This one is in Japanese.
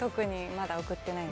まだ送ってない。